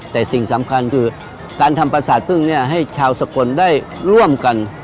แต่สิ่งสำคัญคือการทำประสาทพึ่งเนี่ยให้ชาวสกลได้ร่วมกัน